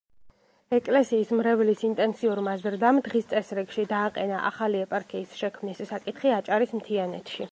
ეკლესიის მრევლის ინტენსიურმა ზრდამ დღის წესრიგში დააყენა ახალი ეპარქიის შექმნის საკითხი აჭარის მთიანეთში.